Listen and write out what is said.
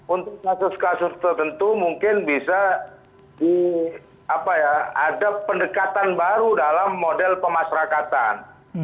untuk kasus kasus tertentu mungkin bisa ada pendekatan baru dalam model pemasrakatan